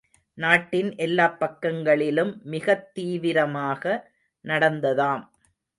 நாட்டின் எல்லாப் பக்கங்களிலும் மிகத் தீவிரமாக நடந்ததாம்.